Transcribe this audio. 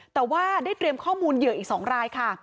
แต่ว่าได้เตรียมข้อมูลเหยื่ออีก๒รายค่ะ